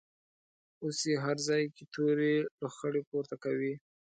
اوس یې هر ځای کې تورې لوخړې پورته کوي.